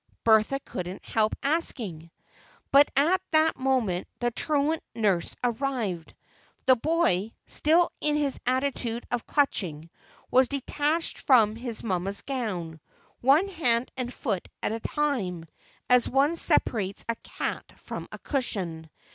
Bertha couldn't help asking; but at that moment the truant nurse arrived; the boy, still in his attitude of clutching, was detached from his mamma's gown, one hand and foot at a time, as one separates a cat from a cushion.